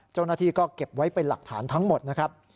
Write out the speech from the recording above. เจ้าหน้าที่ก็เก็บไว้เป็นหลักฐานทั้งหมดนะครับ